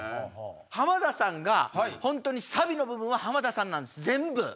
浜田さんがサビの部分は浜田さんなんです全部。